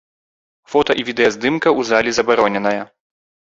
Фота і відэаздымка у залі забароненая.